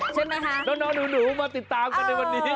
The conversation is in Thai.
ใช่ไหมคะน้องหนูมาติดตามกันในวันนี้